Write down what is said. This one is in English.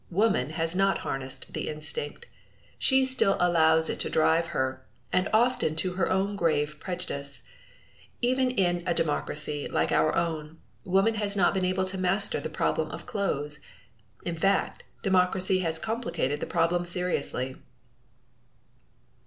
Woman has not harnessed the instinct. She still allows it to drive her, and often to her own grave prejudice. Even in a democracy like our own, woman has not been able to master this problem of clothes. In fact, democracy has complicated the problem seriously.